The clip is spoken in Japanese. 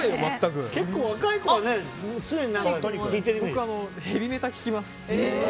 結構若い子は僕はヘビメタ聴きます。